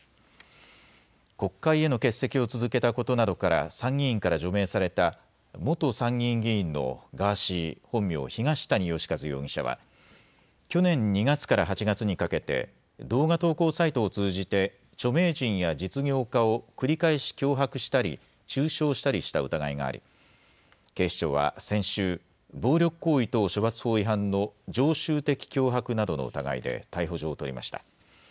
国会への欠席を続けたことなどから、参議院から除名された、元参議院議員のガーシー、本名・東谷義和容疑者は、去年２月から８月にかけて、動画投稿サイトを通じて、著名人や実業家を繰り返し脅迫したり、中傷したりした疑いがあり、警視庁は先週、暴力行為等処罰法違反の常習的脅迫などの疑いで逮捕状を取りました。